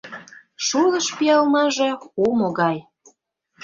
Шулыш пиалнаже омо гай.